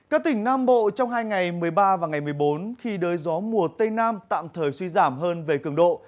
các tỉnh nam bộ trong hai ngày một mươi ba và ngày một mươi bốn khi đới gió mùa tây nam tạm thời suy giảm hơn về cường độ